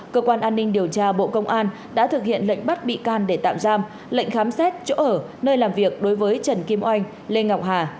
cơ quan an ninh điều tra bộ công an đã thực hiện lệnh bắt bị can để tạm giam lệnh khám xét chỗ ở nơi làm việc đối với trần kim oanh lê ngọc hà